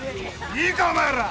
いいかお前ら！